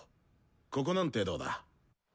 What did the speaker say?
ここなんてどうだ？